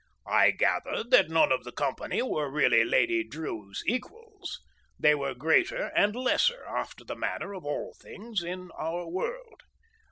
I gathered that none of the company were really Lady Drew's equals, they were greater and lesser after the manner of all things in our world.